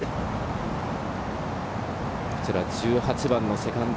こちらは１８番のセカンド。